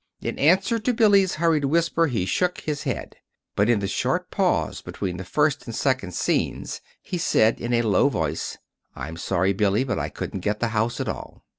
In answer to Billy's hurried whisper he shook his head; but in the short pause between the first and second scenes he said, in a low voice: "I'm sorry, Billy, but I couldn't get the house at all."